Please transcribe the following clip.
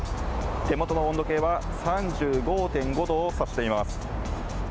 手元の温度計は３５．５度を指しています。